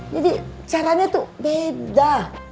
jadi caranya tuh beda